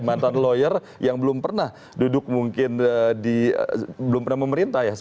mantan lawyer yang belum pernah duduk mungkin belum pernah memerintah ya